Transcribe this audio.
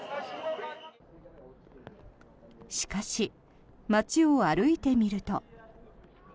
しかし、街を歩いてみると。